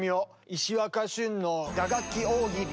石若駿の打楽器大喜利。